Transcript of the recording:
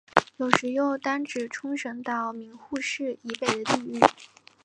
有时又单指冲绳岛名护市以北的地域。